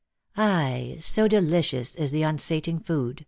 Ay, so delicious is the unsating food.